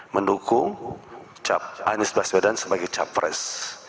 mendukung anies baswedan sebagai capres